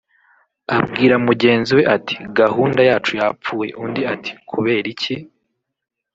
abwira mugenzi we ati “Gahunda yacu yapfuye ” Undi ati “kubera iki